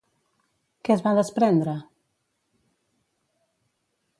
Què es va desprendre?